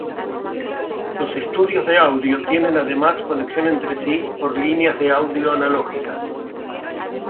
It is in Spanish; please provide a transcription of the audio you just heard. Los estudios de audio tienen además conexión entre sí por líneas de audio analógicas.